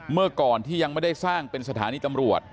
เมื่อก่อนที่ยังไม่ได้สร้างเป็นสถานีตำรวจ